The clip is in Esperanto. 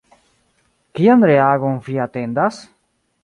Kian reagon vi atendas?